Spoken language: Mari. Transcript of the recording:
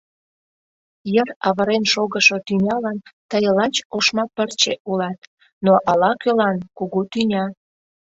Йыр авырен шогышо тӱнялан тый лач ошма пырче улат, но ала-кӧлан — кугу тӱня.